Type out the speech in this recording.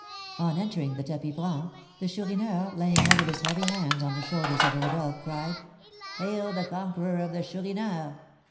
On entering the tapis franc, the Chourineur, laying one of his heavy hands on the shoulders of Rodolph, cried, "Hail the conqueror of the Chourineur!